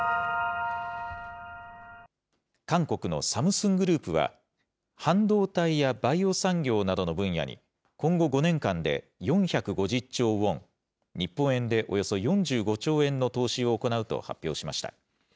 韓国のサムスングループは、半導体やバイオ産業などの分野に、今後５年間で４５０兆ウォン、日本円でおよそ４５兆円の投資を行うと発表しました。